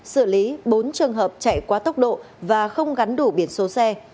xử lý bốn trường hợp chạy quá tốc độ và không gắn đủ biển số xe